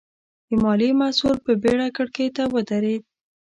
د ماليې مسوول په بېړه کړکۍ ته ودرېد.